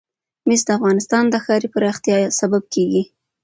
مس د افغانستان د ښاري پراختیا سبب کېږي.